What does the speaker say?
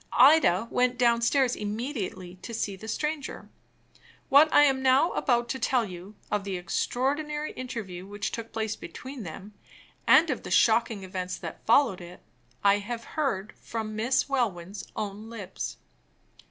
Ida went downstairs immediately to see the stranger. What I am now about to tell you of the extraordinary interview which took place between them, and of the shocking events that followed it, I have heard from Miss Welwyn's own lips.